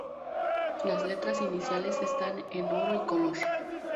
Las letras iniciales están en oro y color.